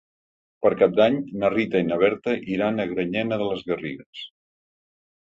Per Cap d'Any na Rita i na Berta iran a Granyena de les Garrigues.